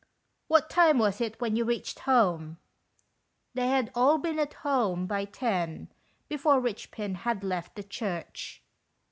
"What time was it when you reached home?" They had all been at home by ten, before Eichpin had left the church.